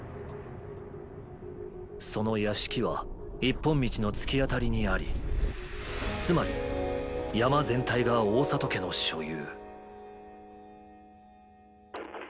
その屋敷は一本道のつきあたりにありつまり山全体が大郷家の所有。